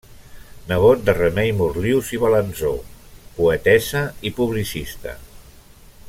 Nebot de Remei Morlius i Balanzó, poetessa i publicista.